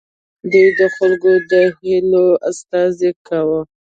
دوی د خلکو د هیلو استازیتوب کاوه.